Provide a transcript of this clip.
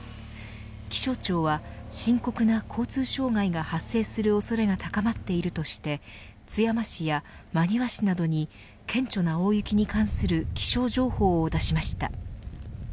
気象庁は深刻な交通障害が発生する恐れが高まっているとして津山市や真庭市などに顕著な大雪に関する気象情報を出しました。